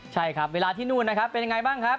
ใช่ครับเวลาที่นู่นนะครับเป็นยังไงบ้างครับ